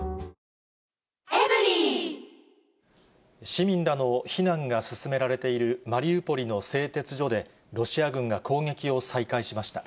市民らの避難が進められているマリウポリの製鉄所で、ロシア軍が攻撃を再開しました。